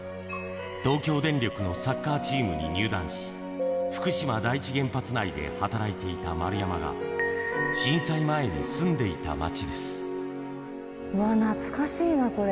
東京電力のサッカーチームに入団し、福島第一原発内で働いていた丸山が、うわー、懐かしいな、これ。